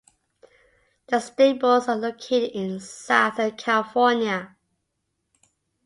The stables are located in Southern California.